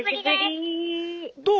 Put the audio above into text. どう？